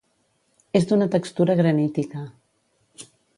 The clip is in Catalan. És d'una textura granítica.